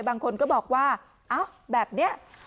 ไม่เห็นด้วยบางคนก็บอกว่าอ้าวแบบเนี้ย